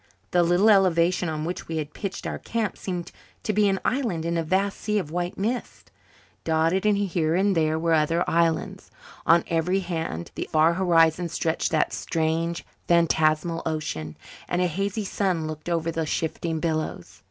The little elevation on which we had pitched our camp seemed to be an island in a vast sea of white mist, dotted here and there with other islands. On every hand to the far horizon stretched that strange, phantasmal ocean, and a hazy sun looked over the shifting billows.